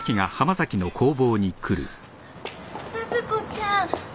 鈴子ちゃん。